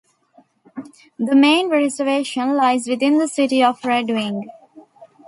The main reservation lies within the city of Red Wing.